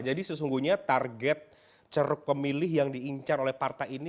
jadi sesungguhnya target ceruk pemilih yang diincar oleh partai ini